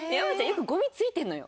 よくゴミ付いてるのよ。